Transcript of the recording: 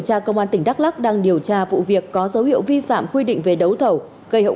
tra công an tỉnh đắk lắc đang điều tra vụ việc có dấu hiệu vi phạm quy định về đấu thầu gây hậu